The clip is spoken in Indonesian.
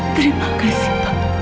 terima kasih pak